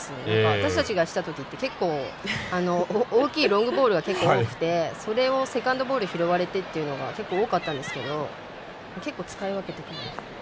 私たちがしてたときって結構、大きいロングボールが結構多くてそれがセカンドボール拾われてっていうのが結構、多かったんですけど結構、使い分けてる。